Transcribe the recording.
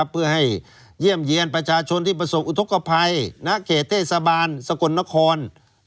เพื่อให้เยี่ยมเยี่ยมประชาชนที่ประสบอุทธกภัยณเขตเทศบาลสกลนคร